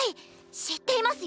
知っていますよ。